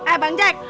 eh bang jack